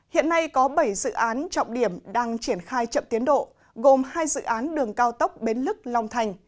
hiện nay có bảy dự án trọng điểm đang triển khai chậm tiến độ gồm hai dự án đường cao tốc bến lức long thành